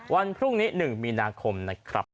วันพรุ่งนี้๑มีนาคมนะครับ